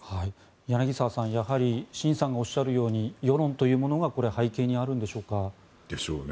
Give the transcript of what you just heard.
柳澤さんやはりシンさんがおっしゃるように世論というものが背景にあるんでしょうか。でしょうね。